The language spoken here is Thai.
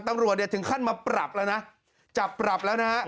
ตำรวจเนี่ยถึงขั้นมาปรับแล้วนะจับปรับแล้วนะฮะ